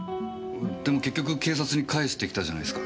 でも結局警察に返してきたじゃないすか。